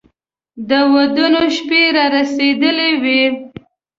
د ودونو شپې را رسېدلې وې.